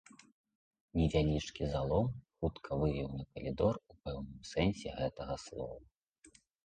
Невялічкі залом хутка вывеў на калідор у пэўным сэнсе гэтага слова.